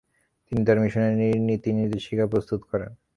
তিনি তার মিশনারির নীতিনির্দেশিকাও প্রস্তুত করেন।